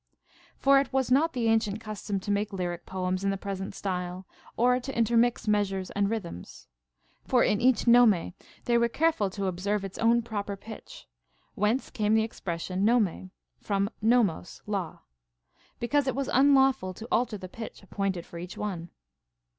For it was not the ancient custom to make lyric poems in the present style, or to intermix measures and rhythms. For in each norae they were careful to observe its own proper pitch ; whence came the expression nome (from νόμος, law), because it was unlawful to alter the pitch appointed for each one.